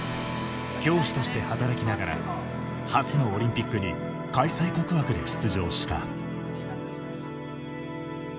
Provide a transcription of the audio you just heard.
教師として働きながら初のオリンピックに開催国枠で出場した。